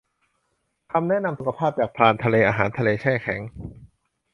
คำแนะนำสุขภาพ จาก พรานทะเล อาหารทะเลแช่แข็ง